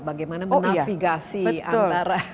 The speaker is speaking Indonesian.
bagaimana menafigasi antara